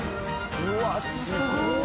うわっすごい！